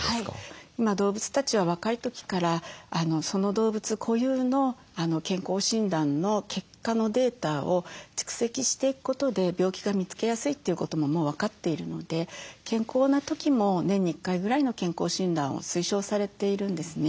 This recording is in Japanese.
今動物たちは若い時からその動物固有の健康診断の結果のデータを蓄積していくことで病気が見つけやすいということももう分かっているので健康な時も年に１回ぐらいの健康診断を推奨されているんですね。